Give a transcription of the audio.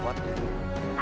supaya ilmunya bertambah hebat